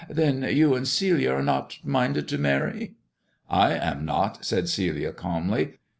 "Then you and Celia are not minded to marry V* " I am not," said Celia calmly.